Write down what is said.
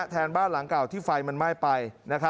บ้านหลังเก่าที่ไฟมันไหม้ไป